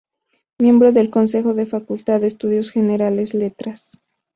Miembro del Consejo de Facultad de Estudios Generales Letras.